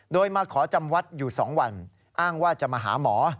โดยมาขอจำวัดอยู่๒วันอ้างว่าจะมาหาหมอ